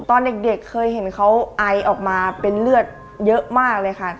ตอนเด็กเคยเห็นเขาไอออกมาเป็นเลือดเยอะมากเลยค่ะ